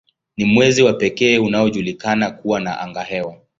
Ni mwezi wa pekee unaojulikana kuwa na angahewa.